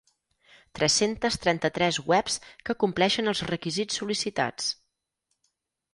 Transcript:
Tres-centes trenta-tres webs que compleixen els requisits sol·licitats.